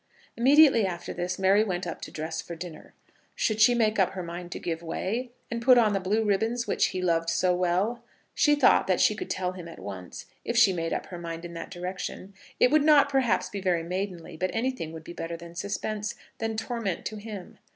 Immediately after this Mary went up to dress for dinner. Should she make up her mind to give way, and put on the blue ribbons which he loved so well? She thought that she could tell him at once, if she made up her mind in that direction. It would not, perhaps, be very maidenly, but anything would be better than suspense, than torment to him.